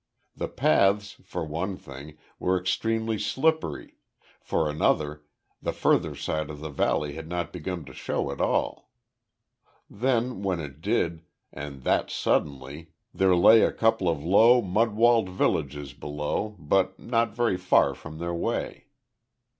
The paths, for one thing, were extremely slippery, for another, the further side of the valley had not begun to show at all. Then, when it did, and that suddenly, there lay a couple of low, mud walled villages, below, but not very far from their way.